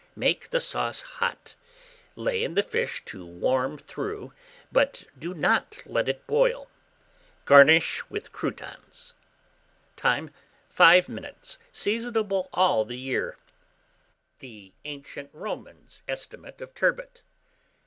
Make the sauce hot, lay in the fish to warm through, but do not let it boil. Garnish with croutons. Time. 5 minutes. Seasonable all the year. THE ANCIENT ROMANS' ESTIMATE OF TURBOT.